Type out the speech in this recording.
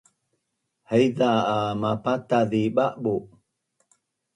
haiza a mapataz zi ba’bu’